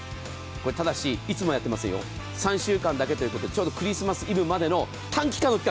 ただし、いつもはやってませんよ、３週間だけということで、ちょうどクリスマスイブまでの短期間の企画。